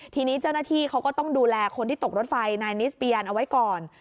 ทีนี้เจ้าหน้าที่เขาก็ต้องดูแลคนที่ตกรถไฟนายนิสเปียนเอาไว้ก่อน